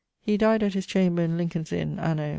He dyed at his chamber in Lincolne's Inn, anno